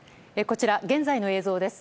こちら、現在の映像です。